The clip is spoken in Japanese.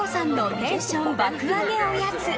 テンション爆上げおやつ。